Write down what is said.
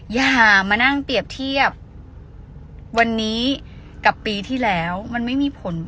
อย่ามานั่งเปรียบเทียบวันนี้กับปีที่แล้วมันไม่มีผล